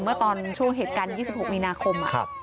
เมื่อตอนช่วงเหตุการณ์๒๖มีนาคม